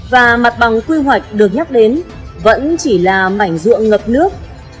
và mặt bằng quy hoạch được nhắc đến vẫn chỉ là mảnh ruộng ngập nước